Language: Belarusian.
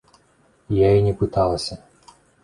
Я і не пыталася.